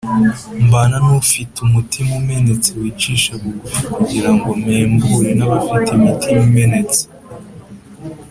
mbana n’ufite umutima umenetse wicisha bugufi, kugira ngo mpembure n’abafite imitima imenetse’